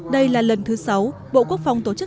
đây là lần thứ sáu